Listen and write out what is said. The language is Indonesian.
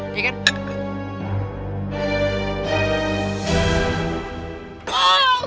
oh gue tahu